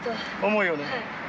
重いよね。